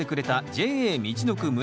ＪＡみちのく村